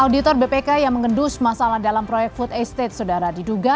auditor bpk yang mengendus masalah dalam proyek food estate sodara diduga